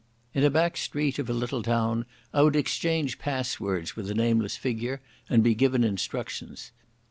In a back street of a little town I would exchange passwords with a nameless figure and be given instructions.